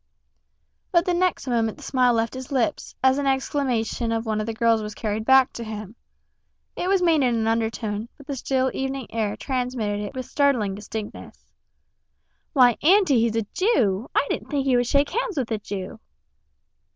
But the next moment the smile left his lips, as an exclamation of one of the girls was carried back to him. It was made in an undertone, but the still evening air transmitted it with startling distinctness. "Why, Auntie, he's a Jew! I didn't think you would shake hands with a Jew!"